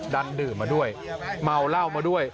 ดันดื่มมาด้วยเมาเหล้ามาด้วย